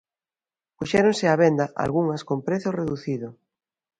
Puxéronse á venda algunhas con prezo reducido.